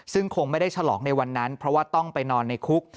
ซึ่งคงไม่ได้ฉลองในวันนั้นเพราะว่าต้องไปนอนในคุก